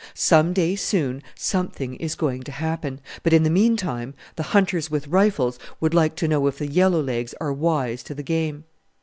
Some day soon something is going to happen, but in the meantime the hunters with rifles would like to know if the yellow legs are wise to the game.